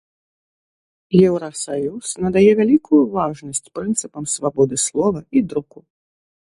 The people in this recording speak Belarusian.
Еўрасаюз надае вялікую важнасць прынцыпам свабоды слова і друку.